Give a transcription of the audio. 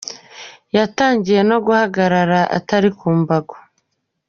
Yatangiye no guhagarara atari ku mbago.